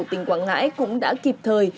tỉnh quảng ngãi cũng đã kịp thời